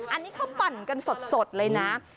อันนี้เขาปั่นกันสดเลยนะ